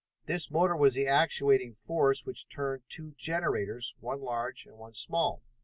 This motor was the actuating force which turned two generators, one large and one small.